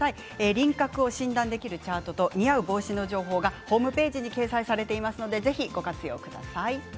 輪郭を診断できるチャートと似合う帽子の情報がホームページに掲載されていますので、ぜひご活用ください。